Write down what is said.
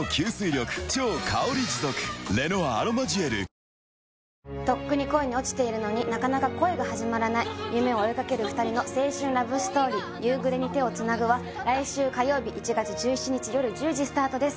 いってらっしゃい頑張れそうそうそうとっくに恋に落ちているのになかなか恋が始まらない夢を追いかける二人の青春ラブストーリー「夕暮れに、手をつなぐ」は来週火曜日１月１７日よる１０時スタートです